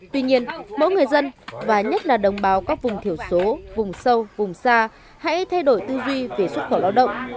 tuy nhiên mỗi người dân và nhất là đồng bào các vùng thiểu số vùng sâu vùng xa hãy thay đổi tư duy về xuất khẩu lao động